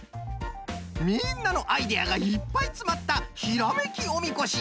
みんなのアイデアがいっぱいつまったひらめきおみこし。